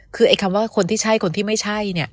คือไอ้คำว่าคนที่ใช่คนที่ไม่ใช่